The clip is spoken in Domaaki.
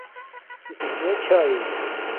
کسک مییے چھاݵ